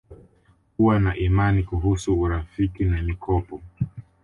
Kuwa na imani Kuhusu urafiki na mikopo